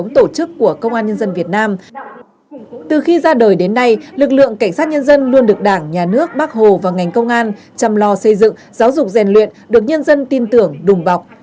từ khi ra đời đến nay lực lượng cảnh sát nhân dân luôn được đảng nhà nước bác hồ và ngành công an chăm lo xây dựng giáo dục rèn luyện được nhân dân tin tưởng đùng bọc